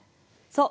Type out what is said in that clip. そう。